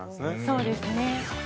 ◆そうですね。